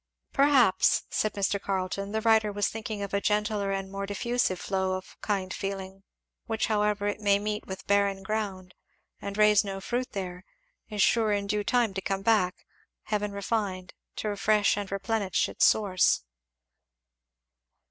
"Perhaps," said Mr. Carleton, "the writer was thinking of a gentler and more diffusive flow of kind feeling, which however it may meet with barren ground and raise no fruit there, is sure in due time to come back, heaven refined, to refresh and replenish its source."